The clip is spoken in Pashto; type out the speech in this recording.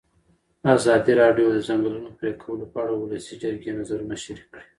ازادي راډیو د د ځنګلونو پرېکول په اړه د ولسي جرګې نظرونه شریک کړي.